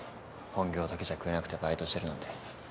本業だけじゃ食えなくてバイトしてるなんて。